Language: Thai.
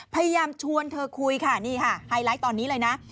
พยายามชวนเธอคุยค่ะนี่ค่ะไฮไลท์ตอนนี้เลยนะ